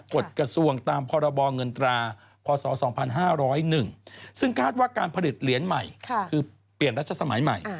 กฎกระทรวงตามพรบเงินตราพศ๒๕๐๑ซึ่งคาดว่าการผลิตเหรียญใหม่คือเปลี่ยนรัชสมัยใหม่